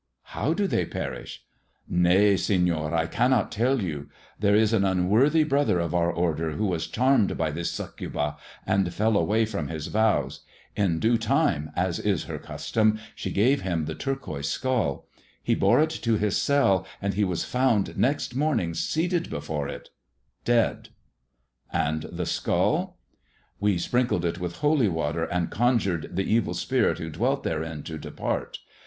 " How do they perish 1 "" Nay, Seiior, I cannot tell you. There was an brother of our order who was charmed by this auccnba, m fell away from his vows. In due time, as is h' she gave him the turquoise skull. He bore it to his c and he was found next morning seated before it — dead.", " And the skull 1 "" We sprinkled it with holy water, and conjured the e spirit who dwelt therein to depart.